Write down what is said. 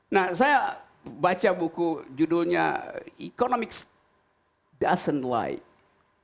nah saya baca buku judulnya economics doesn't lie